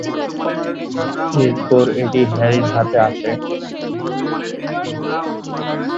এরপর এটি হ্যারির হাতে আসে।